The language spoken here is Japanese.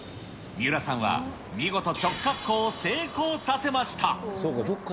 三浦さんは、見事直滑降を成功させました。